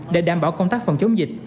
để đảm bảo công tác phòng chống dịch